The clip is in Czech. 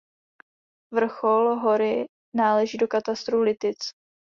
Vrchol hory náleží do katastru "Litic".